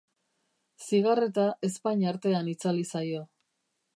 Zigarreta ezpain artean itzali zaio.